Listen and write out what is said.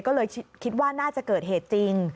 ก็เลยคิดว่าน่าจะเกิดเหตุจริง